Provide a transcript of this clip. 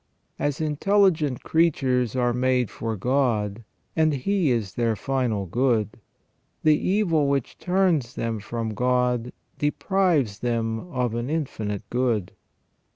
As intelligent creatures are made for God and He is their final good, the evil which turns them from God deprives them of an infinite good.